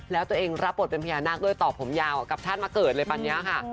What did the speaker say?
แล้วตัวเองรับบทเป็นพญานาคด้วยตอบผมยาวกับท่านมาเกิดเลยตอนนี้ค่ะ